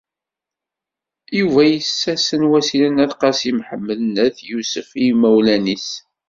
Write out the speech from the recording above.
Yuba yessasen Wasila n Qasi Mḥemmed n At Yusef i imawlan-is.